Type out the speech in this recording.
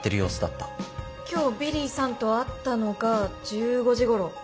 今日ビリーさんと会ったのが１５時ごろ。